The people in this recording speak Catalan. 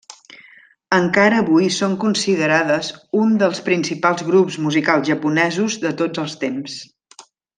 Encara avui són considerades un dels principals grups musicals japonesos de tots els temps.